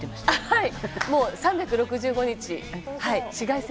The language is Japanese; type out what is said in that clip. はい。